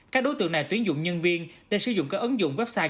các đối tượng này tuyển dụng nhân viên để sử dụng các ứng dụng website